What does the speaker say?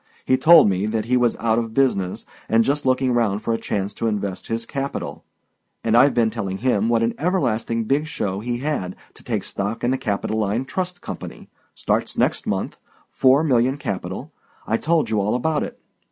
He told me that he was out of business, and just looking round for a chance to invest his capital. And I've been telling him what an everlasting big show he had to take stock in the Capitoline Trust Company—starts next month—four million capital—I told you all about it.